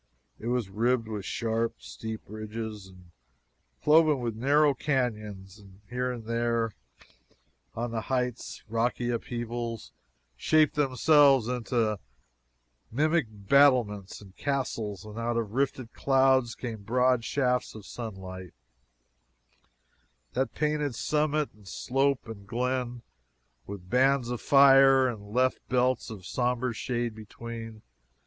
It was ribbed with sharp, steep ridges and cloven with narrow canyons, and here and there on the heights, rocky upheavals shaped themselves into mimic battlements and castles; and out of rifted clouds came broad shafts of sunlight, that painted summit, and slope and glen, with bands of fire, and left belts of somber shade between.